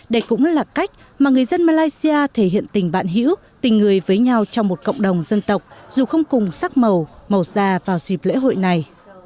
đây cũng là cách mà người dân malaysia thể hiện tình bạn hữu tình người với nhau trong một cộng đồng dân tộc dù không cùng sắc màu màu da vào dịp lễ hội này